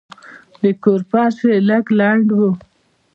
د کور فرش یې لږ لند و.